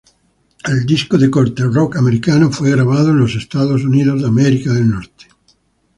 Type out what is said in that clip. El disco de corte rock americano fue grabado en Estados Unidos.